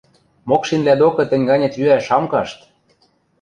Мокшинвлӓ докы тӹнь ганет йӱӓш ам кашт!